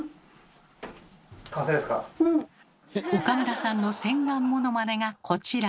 岡村さんの洗顔ものまねがこちら。